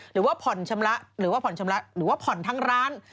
หรือว่าผ่อนชำระหรือว่าผ่อนทั้งร้าน